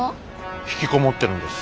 ひきこもってるんです